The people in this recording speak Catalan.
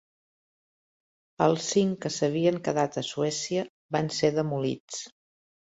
Els cinc que s'havien quedat a Suècia van ser demolits.